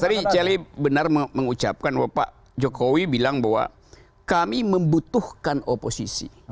tadi celi benar mengucapkan bahwa pak jokowi bilang bahwa kami membutuhkan oposisi